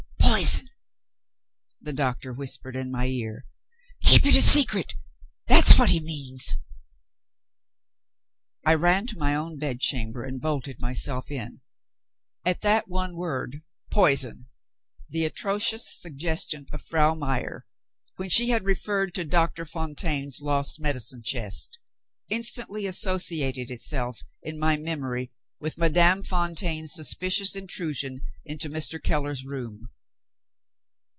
"Poison!" the doctor whispered in my ear. "Keep it a secret; that's what he means." I ran to my own bedchamber and bolted myself in. At that one word, "Poison," the atrocious suggestion of Frau Meyer, when she had referred to Doctor Fontaine's lost medicine chest, instantly associated itself in my memory with Madame Fontaine's suspicious intrusion into Mr. Keller's room.